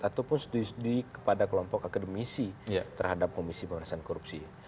ataupun studi kepada kelompok akademisi terhadap komisi pemerintahan korupsi